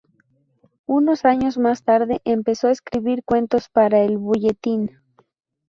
Unos años más tarde, empezó a escribir cuentos para el "Bulletin.